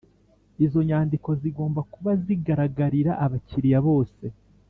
Izo nyandiko zigomba kuba zigaragarira abakiliya bose